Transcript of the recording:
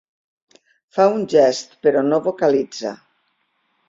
Fa un gest però no vocalitza.